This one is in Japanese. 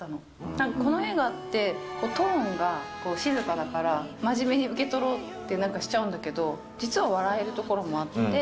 なんかこの映画って、トーンが静かだから、真面目に受け取ろうってなんかしちゃうんだけど、実は笑えるところもあって。